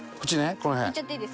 この辺。いっちゃっていいですか？